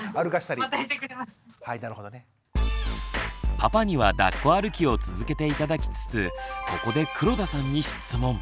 パパにはだっこ歩きを続けて頂きつつここで黒田さんに質問。